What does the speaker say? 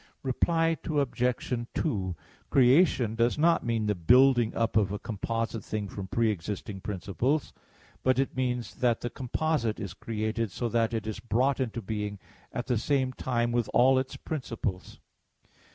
Reply Obj. 2: Creation does not mean the building up of a composite thing from pre existing principles; but it means that the "composite" is created so that it is brought into being at the same time with all its principles.